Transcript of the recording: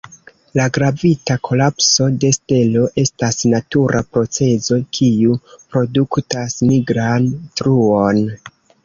La gravita kolapso de stelo estas natura procezo kiu produktas nigran truon.